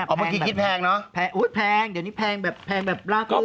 เมื่อกี้คิดแพงเนอะแพงอุ้ยแพงเดี๋ยวนี้แพงแบบแพงแบบลากตัว